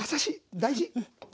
大事。